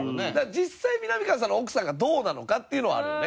実際みなみかわさんの奥さんがどうなのかっていうのはあるよね。